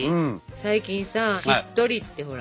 最近さ「しっとり」ってほら。